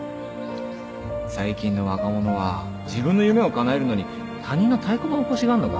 最近の若者は自分の夢をかなえるのに他人の太鼓判を欲しがるのか？